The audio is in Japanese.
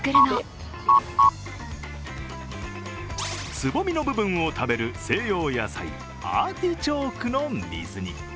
つぼみの部分を食べる、西洋野菜アーティチョークの水煮。